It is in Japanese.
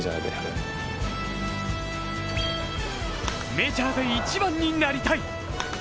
メジャーで１番になりたい。